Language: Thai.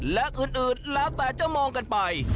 และอื่นแล้วแต่จะมองกันไป